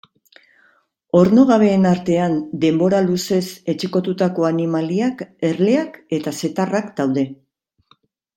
Ornogabeen artean denbora luzez etxekotutako animaliak erleak eta zeta-harrak daude.